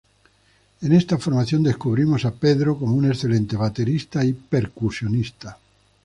En esta formación, descubrimos a Pedro como un excelente baterista y percusionista.